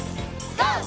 ＧＯ！